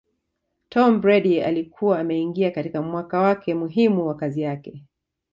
Tomm Brady alikuwa ameingia katika mwaka wake muhimu wa kazi yake